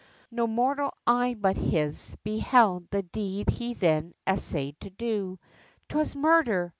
No mortal eye but his, beheld the deed he then essayed to do 'Twas murder!